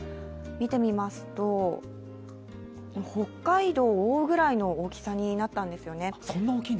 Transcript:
見てみますと、北海道を覆うぐらいの大きさになったんですね。